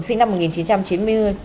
sinh năm một nghìn chín trăm chín mươi hai